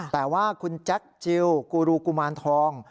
แต่ว่าคุณแจ็คจิลกูรูกุมารทอง